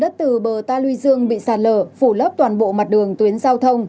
đất từ bờ ta luy dương bị sạt lở phủ lấp toàn bộ mặt đường tuyến giao thông